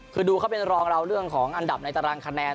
คือดูเขาเป็นรองเราเรื่องของอันดับในตารางคะแนน